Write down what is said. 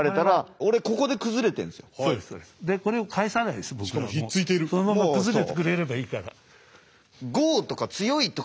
そのまま崩れてくれればいいから。